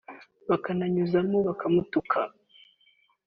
bakananyuzamo bakamutuka